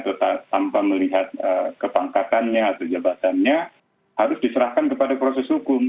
atau tanpa melihat kepangkatannya atau jabatannya harus diserahkan kepada proses hukum